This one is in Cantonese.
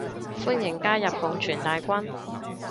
歡迎加入共存大軍